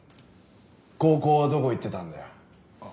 高校はどこ行ってたんだよ？